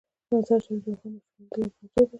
مزارشریف د افغان ماشومانو د لوبو موضوع ده.